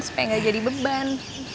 supaya ga jadi beban